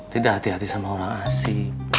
tidak hati hati sama orang asing